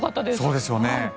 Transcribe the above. そうですよね。